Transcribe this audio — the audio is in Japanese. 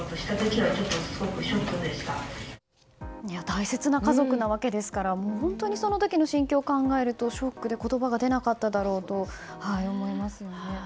大切な家族なわけですから本当にその時の心境を考えるとショックで言葉が出なかっただろうと思いますよね。